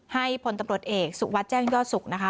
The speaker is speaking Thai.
พลตำรวจเอกสุวัสดิ์แจ้งยอดสุขนะคะ